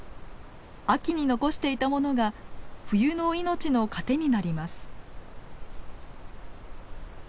秋に残していたものが冬の命の糧になります。